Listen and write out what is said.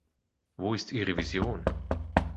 Wo ist ihre Vision?